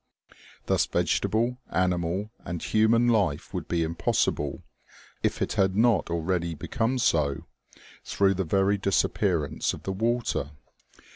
Thus vegetable, animal and human life would be impossible, if it had not already become so, through the very disappearance of the water.